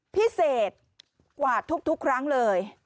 พิเศษกว่าทุกครั้งเลย